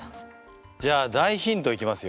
じゃあ大ヒントいきますよ。